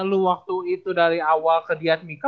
lu waktu itu dari awal ke diadmika